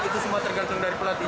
itu semua tergantung dari pelatih